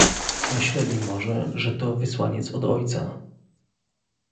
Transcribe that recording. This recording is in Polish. "Myśleli może, że to wysłaniec od ojca."